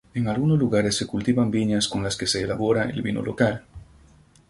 En algunos lugares se cultivan viñas con las que se elabora el vino local.